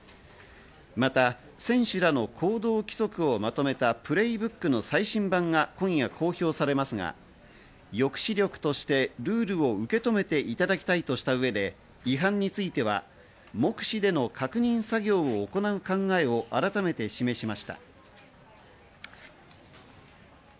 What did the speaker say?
また選手らの行動規則をまとめたプレイブックの最新版が今夜公表されますが、抑止力としてルールを受け止めていただきたいとしたうえで違反については目視での確認作業を行う考えを改めて示しました。